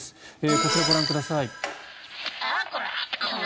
こちら、ご覧ください。